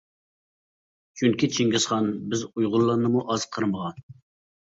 چۈنكى چىڭگىزخان بىز ئۇيغۇرلارنىمۇ ئاز قىرمىغان.